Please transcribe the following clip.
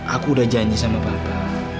aku udah janji sama bapak